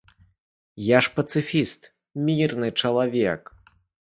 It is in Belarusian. Я ж пацыфіст, мірны чалавек.